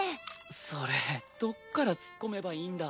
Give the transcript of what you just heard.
それどっからつっこめばいいんだ？